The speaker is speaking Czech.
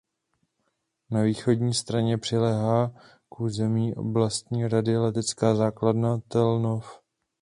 Na východní straně přiléhá k území oblastní rady letecká základna Tel Nof.